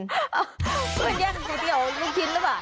แย่งก๋วยเตี๋ยวลูกชิ้นหรือเปล่า